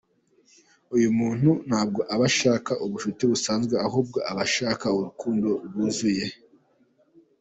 Uyu muntu ntabwo aba ashaka ubushuti busanzwe ahubwo aba ashaka urukundo rwuzuye.